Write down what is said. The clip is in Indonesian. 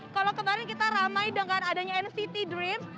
kalau kemarin kita ramai dengan adanya nct dream